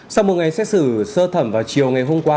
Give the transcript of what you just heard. sau một ngày xét xử sơ thẩm vào chiều ngày hôm qua